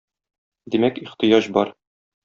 Димәк, ихтыяҗ бар.